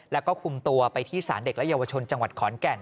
แล้วก็คุมตัวไปที่สารเด็กและเยาวชนจังหวัดขอนแก่น